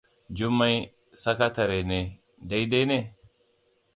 Jummai sakatare ne, daidai ne?